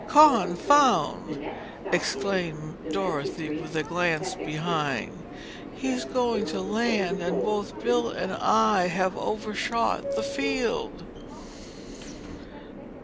"Confound!" exclaimed Dorothy, with a glance behind. "He's going to land and both Bill and I have overshot the field!"